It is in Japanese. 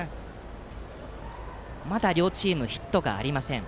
まだ両チームヒットがありません。